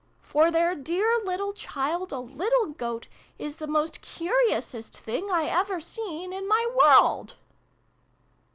For their dear little child, a little Goat, is the most curiousest thing I ever seen in my world